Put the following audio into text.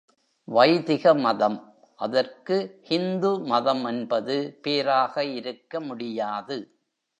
வைதிக மதம் அதற்கு ஹிந்து மதம் என்பது பேராக இருக்க முடியாது.